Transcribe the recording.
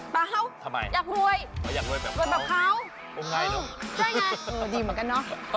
เปล่าอยากรวยอยากรวยแบบเขาใช่ไหมดีเหมือนกันเนอะ